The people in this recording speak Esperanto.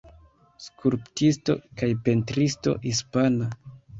Skulptisto kaj pentristo hispana.